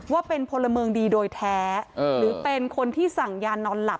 ว่าเป็นพลเมืองดีโดยแท้หรือเป็นคนที่สั่งยานอนหลับ